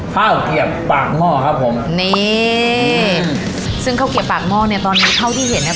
ข้าวเกียบปากหม้อครับผมนี่ซึ่งข้าวเกียบปากหม้อเนี้ยตอนนี้เท่าที่เห็นเนี้ย